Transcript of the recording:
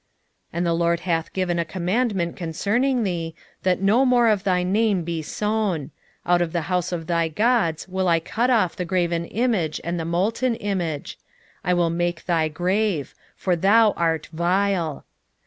1:14 And the LORD hath given a commandment concerning thee, that no more of thy name be sown: out of the house of thy gods will I cut off the graven image and the molten image: I will make thy grave; for thou art vile.